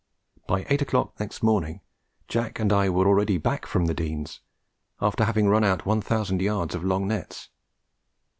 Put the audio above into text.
By eight o'clock next morning, Jack and I were already back from the Denes, after having run out one thousand yards of long nets.